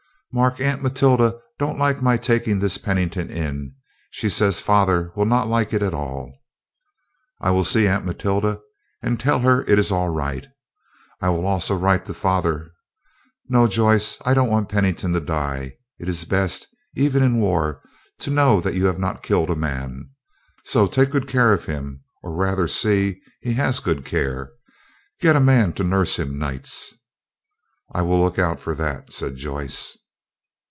"Mark, Aunt Matilda don't like my taking this Pennington in. She says father will not like it at all." "I will see Aunt Matilda, and tell her it is all right. I will also write to father. No, Joyce, I don't want Pennington to die. It is best, even in war, to know you have not killed a man. So take good care of him, or rather see he has good care. Get a man to nurse him nights." "I will look out for that," said Joyce.